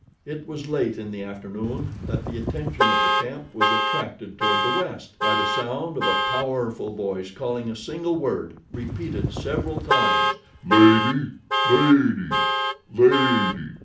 It was late in the afternoon that the attention of the camp was attracted toward the west by the sound of a powerful voice calling a single word, repeated several times: "Lady! Lady! Lady!"